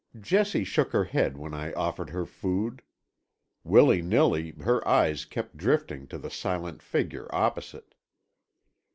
Jessie shook her head when I offered her food. Willy nilly, her eyes kept drifting to the silent figure opposite.